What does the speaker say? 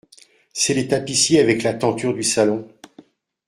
C’est les tapissiers avec la tenture du salon.